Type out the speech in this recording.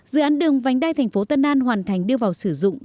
dự án đường vành đai thành phố tân an hoàn thành đưa vào sử dụng